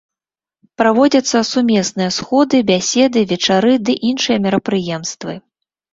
Праводзяцца сумесныя сходы, бяседы, вечары ды іншыя мерапрыемствы.